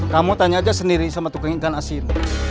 kamu tanya aja sendiri sama tukang ikan asin